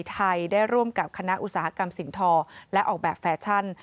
ไทยได้ร่วมกับคณะอุตสาหกรรมสิ่งทอและออกแบบแฟชั่น